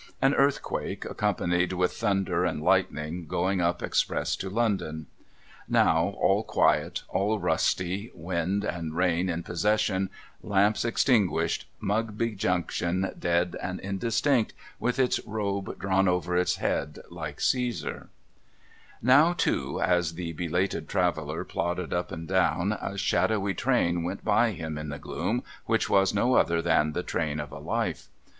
An earthquake, accompanied with thunder and lightning, going up express to London. Now, all quiet, all rusty, wind and rain in possession, lamps extinguished, Mugby Junction dead and indistinct, with its robe drawn over its head, like Cicsai\ LAMPS 417 Now, too, as the belated traveller plodded up and down, a shadowy train went by him in the gloom which was no other than the train of a life.